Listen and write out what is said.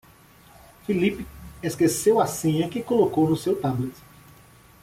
Felipe esqueceu a senha que colocou no seu tablet.